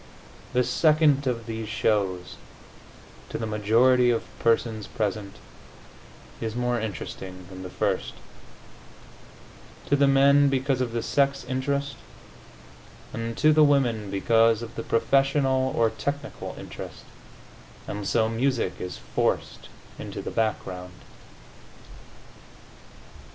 The second of these shows, to the majority of persons present, is more interesting than the first to the men because of the sex interest, and to the women because of the professional or technical interest and so music is forced into the background.